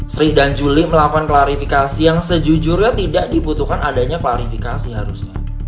sri dan juli melakukan klarifikasi yang sejujurnya tidak dibutuhkan adanya klarifikasi harusnya